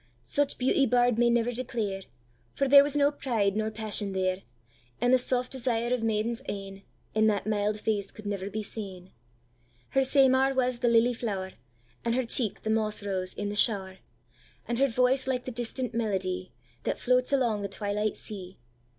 Such beauty bard may never declare, For there was no pride nor passion there; And the soft desire of maiden's e'enIn that mild face could never be seen. Her seymar was the lily flower, And her cheek the moss rose in the shower; And her voice like the distant melodye, That floats along the twilight sea.